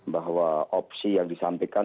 bahwa opsi yang disampaikan